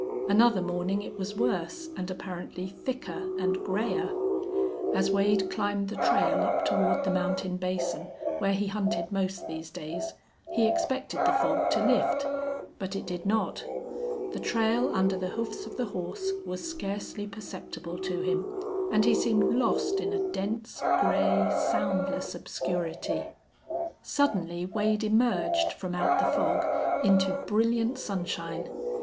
Another morning it was worse, and apparently thicker and grayer. As Wade climbed the trail up toward the mountain basin, where he hunted most these days, he expected the fog to lift. But it did not. The trail under the hoofs of the horse was scarcely perceptible to him, and he seemed lost in a dense, gray, soundless obscurity. Suddenly Wade emerged from out the fog into brilliant sunshine.